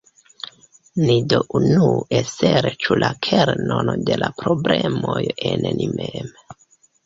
Ni do unue serĉu la kernon de la problemoj en ni mem.